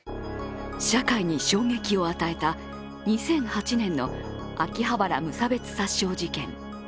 社会に衝撃を与えた２００８年の秋葉原無差別殺傷事件。